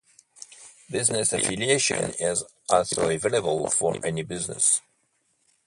Business affiliation is also available for any business.